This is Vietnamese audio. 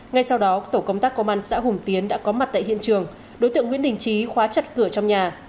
ngay sau đó tổ công tác công an xã hùng tiến đã có mặt tại hiện trường đối tượng nguyễn đình trí khóa chặt cửa trong nhà